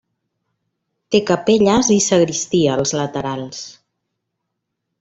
Té capelles i sagristia als laterals.